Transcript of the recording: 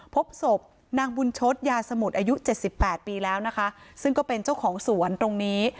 พบศพนางบุญชศยาสมุทรอายุเจ็ดสิบแปดปีแล้วนะคะซึ่งก็เป็นเจ้าของสวนตรงนี้